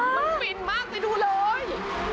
มันฟินมากไปดูเลย